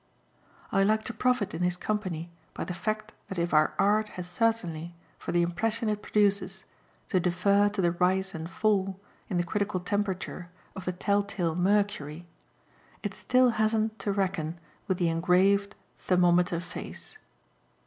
I like to profit in his company by the fact that if our art has certainly, for the impression it produces, to defer to the rise and fall, in the critical temperature, of the telltale mercury, it still hasn't to reckon with the engraved thermometer face.